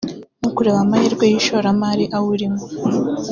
no kureba amahirwe y’ishoramari awurimo